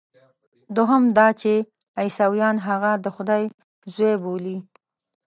دوهم دا چې عیسویان هغه د خدای زوی بولي.